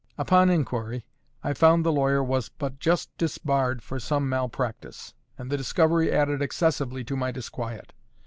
Upon inquiry I found the lawyer was but just disbarred for some malpractice; and the discovery added excessively to my disquiet.